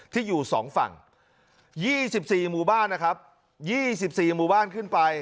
ที่อยู่๒ฝั่ง๒๔หมู่บ้านนะครับ๒๔หมู่บ้านขึ้นไป